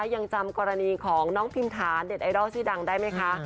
ยังจำกรณีของน้องพิมฐานเด็ดไอดอลชื่อดังได้ไหมคะ